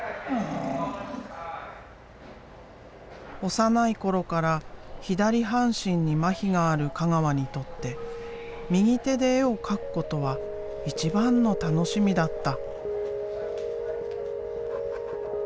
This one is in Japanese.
幼い頃から左半身に麻痺がある香川にとって右手で絵を描くことは一番の楽しみだった。